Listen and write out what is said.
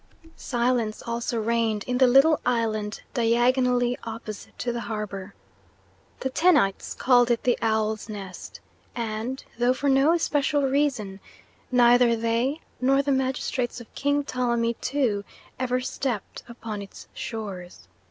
Silence also reigned in the little island diagonally opposite to the harbour. The Tennites called it the Owl's Nest, and, though for no especial reason, neither they nor the magistrates of King Ptolemy II ever stepped upon its shores.